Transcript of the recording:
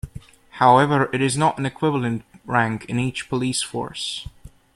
However, it is not an equivalent rank in each police force.